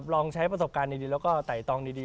ลองใช้ประสบการณ์ดีแล้วก็ไต่ตองดี